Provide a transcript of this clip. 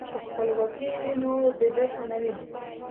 که خپلواکي وي نو ذلت نه وي.